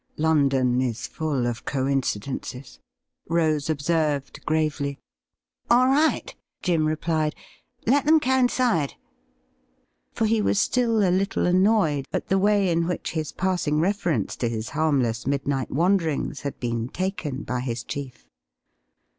' London is full of coincidences,' Rose observed gravely. ' All right,' Jim replied ;' let them coincide.' For he was still a little annoyed at the way in which his passing reference to his harmless midnight wanderings had been taken by his chief.